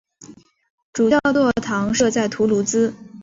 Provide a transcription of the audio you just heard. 主教座堂设在图卢兹。